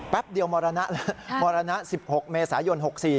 แป๊บเดียวมรณะ๑๖เมษายน๖๔